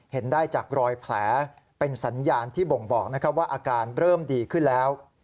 เห็นได้จากรอยแผลเป็นสัญญาณที่บ่งบอกว่าอาการเริ่มดีขึ้นแล้ว